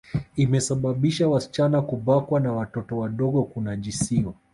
Imesababisha wasichana kubakwa na watoto wadogo kunajisiwa